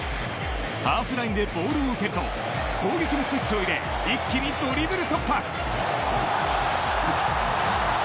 ハーフラインでボールを受けると攻撃のスイッチを入れ一気にドリブル突破。